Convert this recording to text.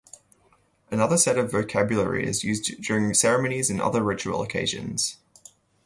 Another set of vocabulary is used during ceremonies and other ritual occasions.